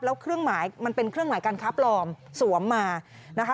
แล้วเครื่องหมายมันเป็นเครื่องหมายการค้าปลอมสวมมานะคะ